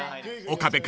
［岡部君